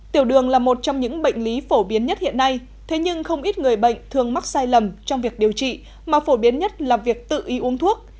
tiểu đường là một trong những bệnh lý phổ biến nhất hiện nay thế nhưng không ít người bệnh thường mắc sai lầm trong việc điều trị mà phổ biến nhất là việc tự y uống thuốc